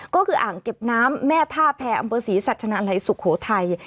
ก็คืออ่างเก็บน้ำแม่ท่าแพรอำเภอศรีสัชนาลัยสุโขทัย